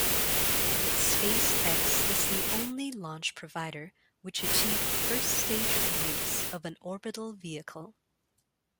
SpaceX is the only launch provider which achieved first-stage reuse of an orbital vehicle.